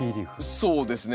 そうですね。